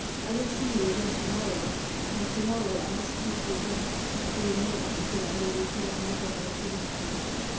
I will see you again to morrow, and to morrow I must leave you again, to remain until I may return never more to leave you."